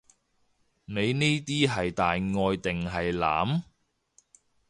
你呢啲係大愛定係濫？